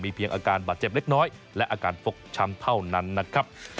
เพียงอาการบาดเจ็บเล็กน้อยและอาการฟกช้ำเท่านั้นนะครับ